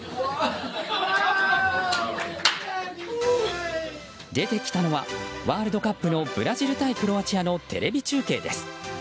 すると、出てきたのはワールドカップのブラジル対クロアチアのテレビ中継です。